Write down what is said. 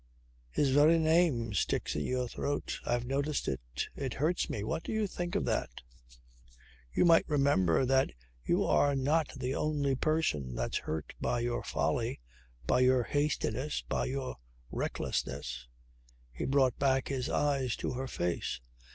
"His very name sticks in your throat. I've noticed it. It hurts me. What do you think of that? You might remember that you are not the only person that's hurt by your folly, by your hastiness, by your recklessness." He brought back his eyes to her face.